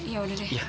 ya udah deh